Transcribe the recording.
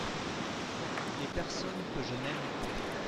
Les personnes que je n’aime pas.